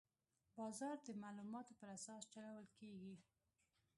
بازار د معلوماتو پر اساس چلول کېږي.